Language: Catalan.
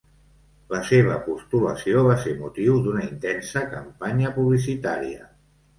La seva postulació va ser motiu d'una intensa campanya publicitària.